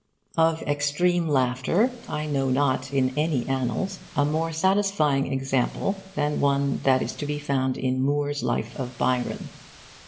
Of extreme laughter I know not in any annals a more satisfying example than one that is to be found in Moore's Life of Byron.